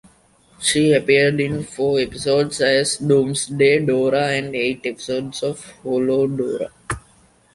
She appeared in four episodes as DoomsDay Dora and eight episodes as HoloDora.